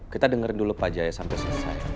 kita dengerin dulu pak jaya sampai selesai